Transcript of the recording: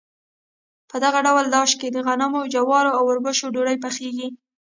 په دغه ډول داش کې د غنمو، جوارو او اوربشو ډوډۍ پخیږي.